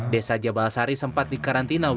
desa jabal sari sempat dikarantina